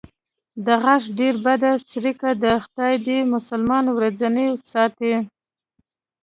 د غاښ ډېره بده څړیکه ده، خدای دې مسلمان ورځنې ساتي.